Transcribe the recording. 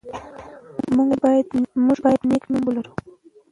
موږ باید نېک نوم ولرو.